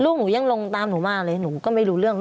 หนูยังลงตามหนูมาเลยหนูก็ไม่รู้เรื่อง